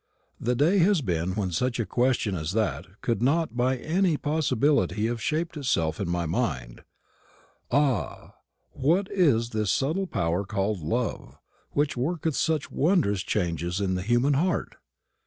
The day has been when such a question as that could not by any possibility have shaped itself in my mind. Ah! what is this subtle power called love, which worketh such wondrous changes in the human heart?